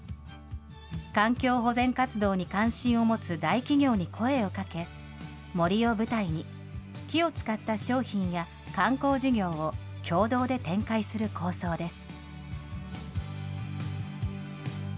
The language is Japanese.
環境保全活動に関心を持つ大企業に声をかけ、森を舞台に、木を使った商品や観光事業を共同で展開する構想です。